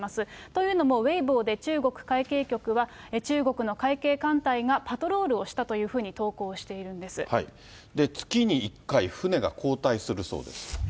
というのも、ウェイボーで中国海警局は、中国の海警艦隊がパトロールをしたというふうに投稿しているんで月に１回、船が交代するそうです。